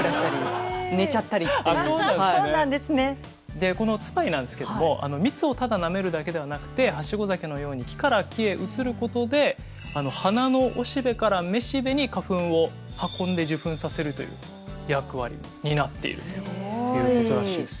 でこのツパイなんですけども蜜をただなめるだけではなくてはしご酒のように木から木へ移ることで花の雄しべから雌しべに花粉を運んで受粉させるという役割を担っているということらしいです。